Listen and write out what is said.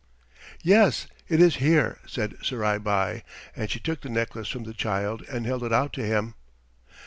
"Yes, it is here," said Surai Bai, and she took the necklace from the child and held it out to him.